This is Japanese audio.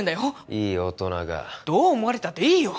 いい大人がどう思われたっていいよ